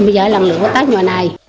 bây giờ làm lựa tác như thế này